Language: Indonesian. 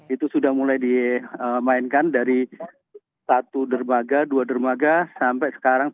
itu sudah mulai dimainkan dari satu dermaga dua dermaga sampai sekarang